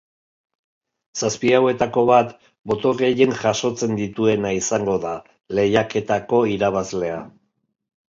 Zazpi hauetako bat, boto gehien jasotzen dituena izango da lehiaketako irabazlea.